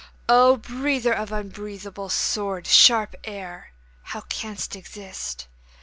O breather of unbreathable, sword sharp air, How canst exist?